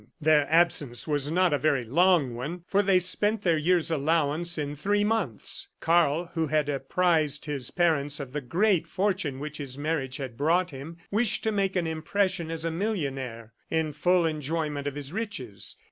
Their absence was not a very long one, for they spent their year's allowance in three months. Karl, who had apprised his parents of the great fortune which his marriage had brought him, wished to make an impression as a millionaire, in full enjoyment of his riches.